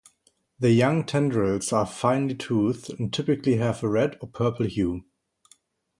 The young tendrils are finely-toothed and typically have a red or purple hue.